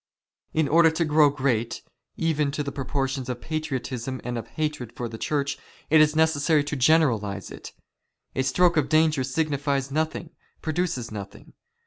In order to grow great, even to '• the proportions of patriotism and of hatred for the Church, it is " necessary to generalize it. A stroke of the dagger signifies " nothing, produces nothing.